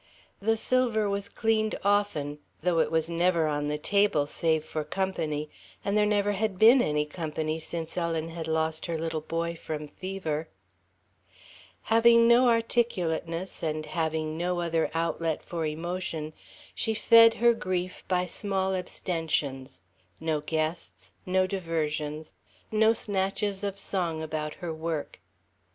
The silver was cleaned often, though it was never on the table, save for company, and there never had been any company since Ellen had lost her little boy from fever. Having no articulateness and having no other outlet for emotion, she fed her grief by small abstentions: no guests, no diversions, no snatches of song about her work.